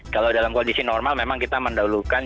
kalau dalam kondisi normal memang kita mendahulukan